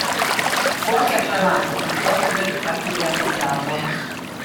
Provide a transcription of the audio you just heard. Fu anche acclamato cultore del ritratto idealizzato.